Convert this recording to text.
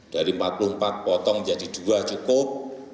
dari empat puluh empat potong jadi dua cukup